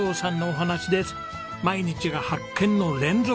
毎日が発見の連続！